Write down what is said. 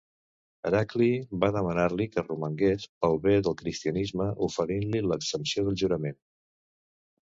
Heracli va demanar-li que romangués pel bé del cristianisme oferint-li l'exempció del jurament.